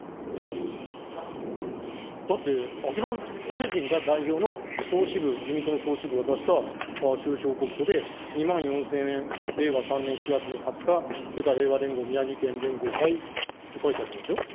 だって秋葉大臣が代表の総支部、自民党の総支部が出した収支報告書で、２万４０００円、令和３年７月２０日、世界平和連合宮城県連合会って書いてありますよ。